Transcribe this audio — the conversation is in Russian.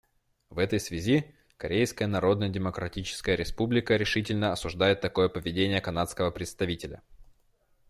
В этой связи Корейская Народно-Демократическая Республика решительно осуждает такое поведение канадского представителя.